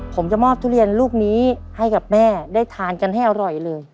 ผมจะมอบทุเรียนลูกนี้ให้กับแม่ได้ทานกันให้อร่อยเลย